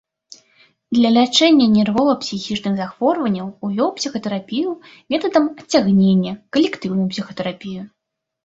Для лячэння нервова-псіхічных захворванняў увёў псіхатэрапію метадам адцягнення, калектыўную псіхатэрапію.